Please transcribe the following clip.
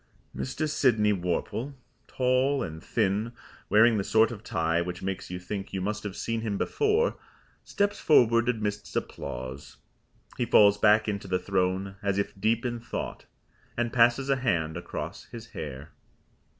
Mr. Sydney Worple, tall and thin, wearing the sort of tie which makes you think you must have seen him before, steps forward amidst applause. He falls back into the throne as if deep in thought, and passes a hand across his hair.